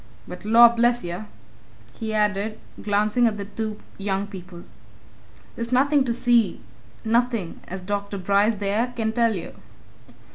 But lor' bless yer!" he added, glancing at the two young people. "There's nothing to see nothing! as Dr. Bryce there can tell you."